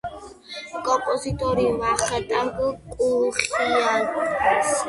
კომპოზიტორი ვახტანგ კუხიანიძე.